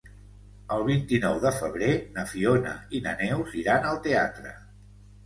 El vint-i-nou de febrer na Fiona i na Neus iran al teatre.